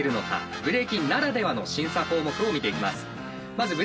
ブレイキンならではの審査項目を見ていきます。